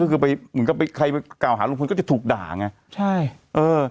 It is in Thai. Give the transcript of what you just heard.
ก็คือไปมึงก็ไปใครไปกล่าวหารุงพลก็จะถูกด่าง่ะใช่เออ